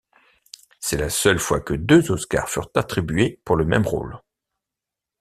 C'est la seule fois que deux Oscars furent attribués pour le même rôle.